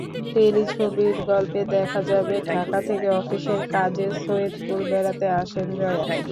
টেলিছবির গল্পে দেখা যাবে, ঢাকা থেকে অফিসের কাজে সৈয়দপুরে বেড়াতে আসেন জয়া।